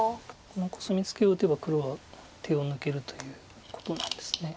このコスミツケを打てば黒は手を抜けるということなんです。